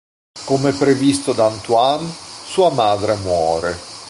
Come previsto da Antoine, sua madre muore.